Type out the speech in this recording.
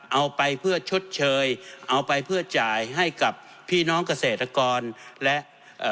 เอาไปเพื่อชดเชยเอาไปเพื่อจ่ายให้กับพี่น้องเกษตรกรและเอ่อ